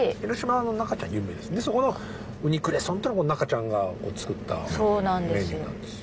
そこの「ウニクレソン」ってのが中ちゃんが作ったメニューなんですよ。